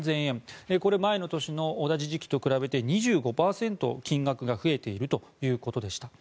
これは前の年の同じ時期と比べて２５％金額が増えているということでした。